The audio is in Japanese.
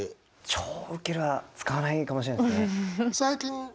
「超ウケる」は使わないかもしれないですね。